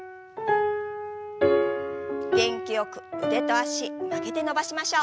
元気よく腕と脚曲げて伸ばしましょう。